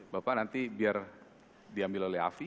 bapak nanti biar diambil oleh afi